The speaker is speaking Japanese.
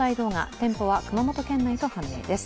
店舗は熊本県内と判明です。